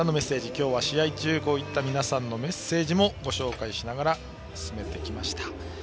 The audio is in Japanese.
今日は試合中に皆さんからのメッセージもご紹介しながら、進めてきました。